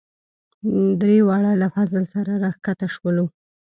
دریواړه له فضل سره راکښته شولو.